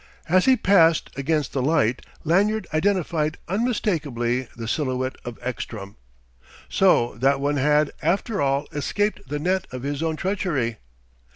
As he paused against the light Lanyard identified unmistakably the silhouette of Ekstrom. So that one had, after all, escaped the net of his own treachery!